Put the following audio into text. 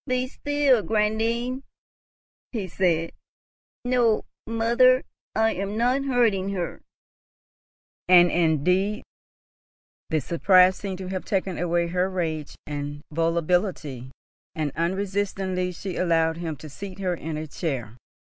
"Be still, grandame," he said. "No, mother, I am not hurting her," and indeed the surprise seemed to have taken away her rage and volubility, and unresistingly she allowed him to seat her in a chair.